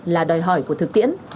là đòi hỏi của thực tiễn